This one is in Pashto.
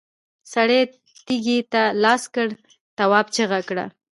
سړي تېږې ته لاس کړ، تواب چيغه کړه!